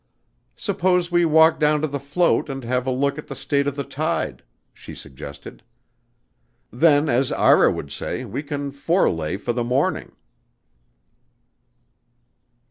"Suppose we walk down to the float and have a look at the state of the tide," she suggested. "Then as Ira would say we can 'fore lay' for the morning."